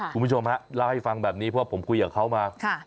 คุณผู้ชมฮะเล่าให้ฟังแบบนี้เพราะผมคุยกับเขามา